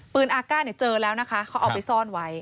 อาก้าเนี่ยเจอแล้วนะคะเขาเอาไปซ่อนไว้